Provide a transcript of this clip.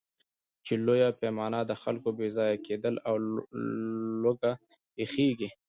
په لویه پیمانه د خلکو بېځایه کېدل او لوږه پېښېږي.